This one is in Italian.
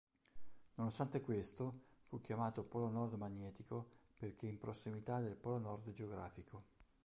Nonostante questo fu chiamato polo nord magnetico perché in prossimità del polo nord geografico.